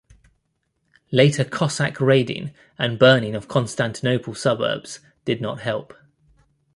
Later Cossack raiding and burning of Constantinople suburbs did not help.